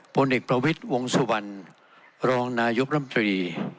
ผลเอกประวิทย์วงสุวรรณรองนายกรรมตรี